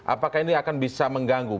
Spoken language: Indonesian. apakah ini akan bisa mengganggu